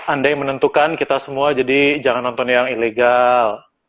andai menentukan kita semua jadi jangan nonton yang ilegal